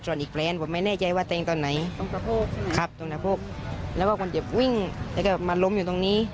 ตรงกระโพกใช่มั้ยครับตรงกระโพกแล้วก็คนเจ็บวิ่งแล้วก็มาล้มอยู่ตรงนี้